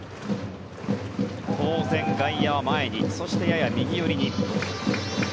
当然、外野は前にそして、やや右寄りに。